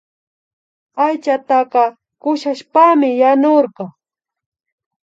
Aychataka kushashpami yanurka